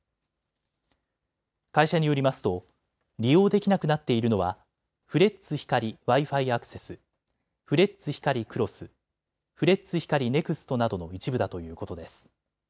会社によりますと利用できなくなっているのはフレッツ光ＷｉＦｉアクセス、フレッツ光クロス、フレッツ光ネクストなどの一部だということです。